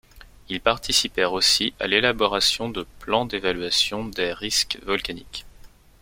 Ils participèrent aussi à l'élaboration de plans d'évaluation des risques volcaniques.